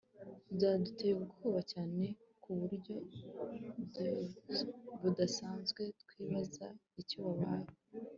byaduteye ubwoba cyane kuburyo budasanzwe twibaza icyo abaye